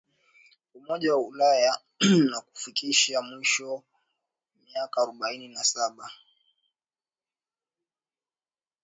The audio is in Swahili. Umoja wa Ulaya na kuifikisha mwisho miaka arobaini na saba